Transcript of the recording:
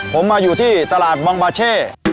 ผมมาอยู่ที่ตลาดบองบาเช่